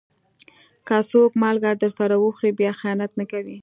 که څوک مالګه درسره وخوري، بیا خيانت نه کوي.